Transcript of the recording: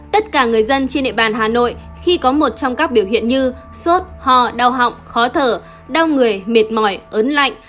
tất cả người dân trên địa bàn hà nội khi có một trong các biểu hiện như sốt ho đau họng khó thở đau người mệt mỏi ớn lạnh